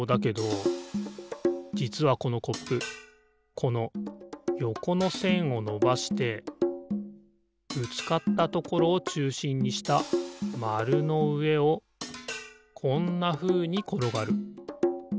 じつはこのコップこのよこのせんをのばしてぶつかったところをちゅうしんにしたまるのうえをこんなふうにころがる。